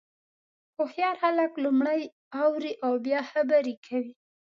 هوښیار خلک لومړی اوري او بیا خبرې کوي.